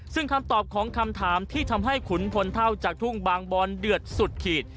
ซึ่งคำตอบของคำถามที่ทำให้ขุนพลเท่าจากทุ่งบางบอนเดือดสุดขีด